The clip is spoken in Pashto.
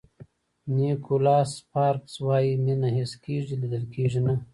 نیکولاس سپارکز وایي مینه حس کېږي لیدل کېږي نه.